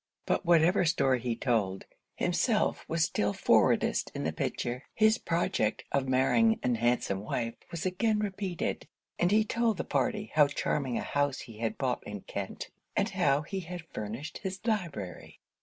But whatever story he told, himself was still forwardest in the picture; his project of marrying an handsome wife was again repeated; and he told the party how charming a house he had bought in Kent, and how he had furnished his library.